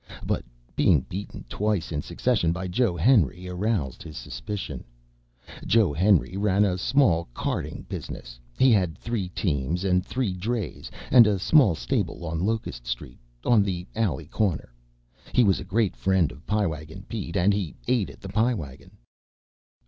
But being beaten twice in succession by Joe Henry aroused his suspicion. Joe Henry ran a small carting business. He had three teams and three drays, and a small stable on Locust Street, on the alley corner. He was a great friend of Pie Wagon Pete and he ate at the Pie Wagon.